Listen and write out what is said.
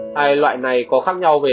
hai loại này có khác nhau về